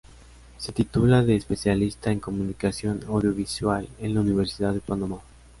Se titula de Especialista en Comunicación Audiovisual en la Universidad de Panamá.